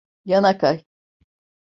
Yana kay.